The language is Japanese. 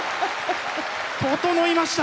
ととのいました！